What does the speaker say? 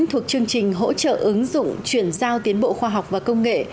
thuộc chương trình hỗ trợ ứng dụng chuyển giao tiến bộ khoa học và công nghệ